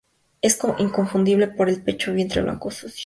Es inconfundible por el pecho y vientre blanco sucio.